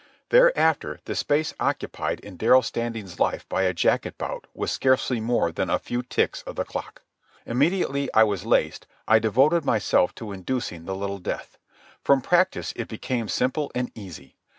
Thereafter the space occupied in Darrell Standing's life by a jacket bout was scarcely more than a few ticks of the clock. Immediately I was laced I devoted myself to inducing the little death. From practice it became simple and easy.